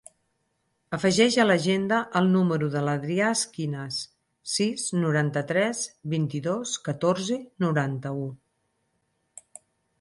Afegeix a l'agenda el número de l'Adrià Esquinas: sis, noranta-tres, vint-i-dos, catorze, noranta-u.